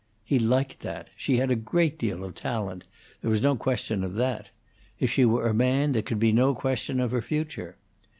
He liked that; she had a great deal of talent; there was no question of that; if she were a man there could be no question of her future.